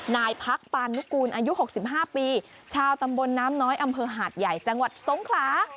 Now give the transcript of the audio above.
นายพักปานุกูลอายุ๖๕ปีชาวตำบลน้ำน้อยอำเภอหาดใหญ่จังหวัดสงขลา